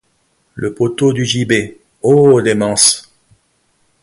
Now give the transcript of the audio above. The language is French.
Le poteau du gibet, ô démence!